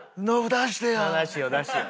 出してよ出してよって。